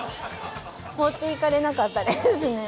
持っていかれなかったですね。